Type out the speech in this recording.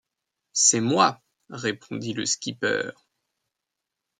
C’est moi, répondit le skipper.